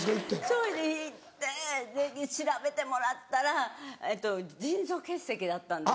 それで行って調べてもらったら腎臓結石だったんです。